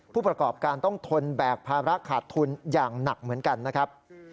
ผู้ประกอบการต้องทนแบกภาระขาดทุนอย่างหนักเหมือนกันนะครับ